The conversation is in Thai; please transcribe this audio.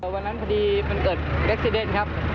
วันนั้นพอดีมันเกิดเอ็กซีเดนครับ